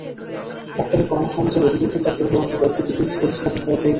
ডাক্তারের পরামর্শ অনুযায়ী অতি দ্রুত তার শরীরে অন্তত একটি কিডনি প্রতিস্থাপন করা প্রয়োজন।